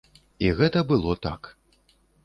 І гэта было так.